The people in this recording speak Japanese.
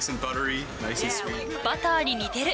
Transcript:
バターに似てる。